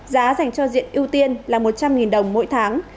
giá dành cho diện ưu tiên là một trăm linh đồng mỗi tháng